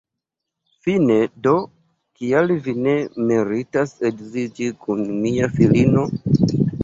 Fine do, kial vi ne meritas edziĝi kun mia filino?